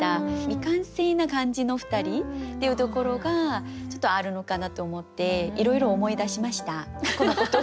未完成な感じの２人っていうところがちょっとあるのかなと思っていろいろ思い出しました過去のこと。